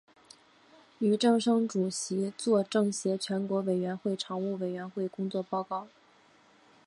俞正声主席作政协全国委员会常务委员会工作报告。